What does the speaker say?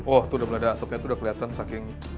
wah itu sudah melihat asapnya sudah kelihatan saking